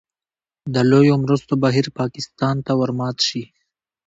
د لویو مرستو بهیر پاکستان ته ورمات شي.